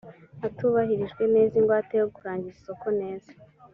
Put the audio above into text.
atubahirijwe neza ingwate yo kurangiza isoko neza